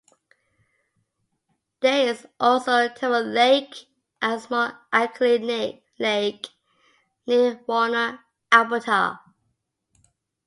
There is also Tyrrell Lake, a small alkali lake near Warner, Alberta.